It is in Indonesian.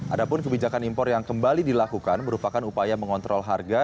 adapun kebijakan impor yang kembali dilakukan merupakan upaya mengontrol harga